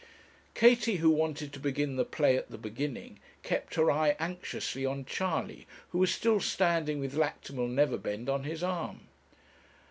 Katie, who wanted to begin the play at the beginning, kept her eye anxiously on Charley, who was still standing with Lactimel Neverbend on his arm.